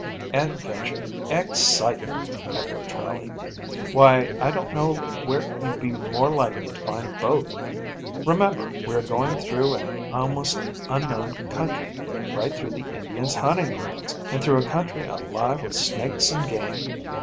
"Adventure, excitement!" echoed Charley. "Why, I don't know where you'd be more likely to find both. Remember, we are going through an almost unknown country. Right through the Indians' hunting grounds, and through a country alive with snakes and game."